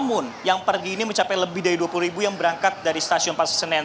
namun yang pergi ini mencapai lebih dari dua puluh ribu yang berangkat dari stasiun pasar senen